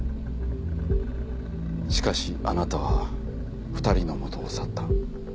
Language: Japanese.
しかしあなたは２人の元を去った。